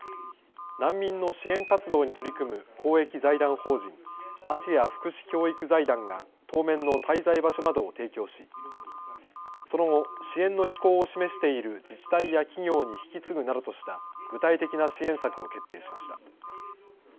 難民の支援活動に取り組む公益財団法人アジア福祉教育財団が当面の滞在場所などを提供し、その後、支援の意向を示している自治体や企業に引き継ぐなどとした、具体的な支援策を決定しました。